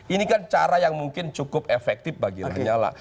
ini kan cara yang mungkin cukup efektif bagi lanyala